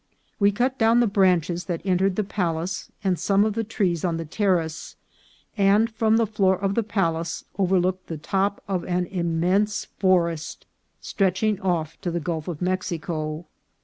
We cut down the branches that entered the palace, and some of the trees on the terrace, and from the floor of the pal ace overlooked the top of an immense forest stretching off to the Gulf of Mexico.